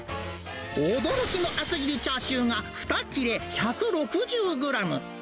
驚きの厚切りチャーシューが２切れ１６０グラム。